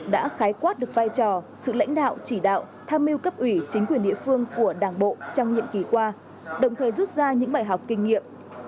đã khái quát được vai trò sự lãnh đạo chỉ đạo tham mưu cấp ủy chính quyền địa phương của đảng bộ trong nhiệm kỳ qua đồng thời rút ra những bài học kinh nghiệm